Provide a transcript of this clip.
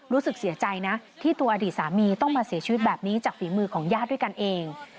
รู้สึกเสียใจนะที่ตัวอดีตสามีต้องมาเสียชีวิตแบบนี้จากฝีมือของญาติด้วยกันเอง